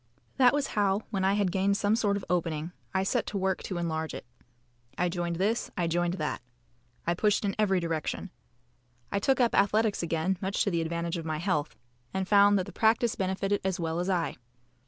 That was how, when I had gained some sort of opening, I set to work to enlarge it. I joined this. I joined that. I pushed in every direction. I took up athletics again much to the advantage of my health, and found that the practice benefited as well as I.